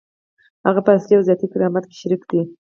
هغه په اصلي او ذاتي کرامت کې شریک دی.